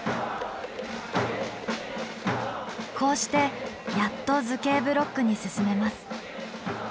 こうしてやっと図形ブロックに進めます。